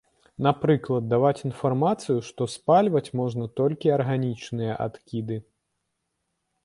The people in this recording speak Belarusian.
Напрыклад, даваць інфармацыю, што спальваць можна толькі арганічныя адкіды.